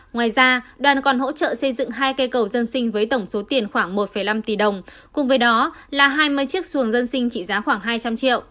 ngoài ra đoàn còn hỗ trợ xây dựng hai cây cầu dân sinh với tổng số tiền khoảng một năm tỷ đồng cùng với đó là hai mươi chiếc xuồng dân sinh trị giá khoảng hai trăm linh triệu